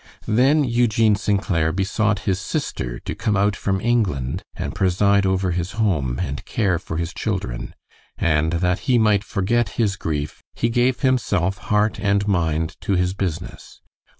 Then Eugene St. Clair besought his sister to come out from England and preside over his home and care for his children; and that he might forget his grief, he gave himself, heart and mind, to his business.